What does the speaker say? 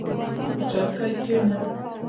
• په چوکۍ کښېنه.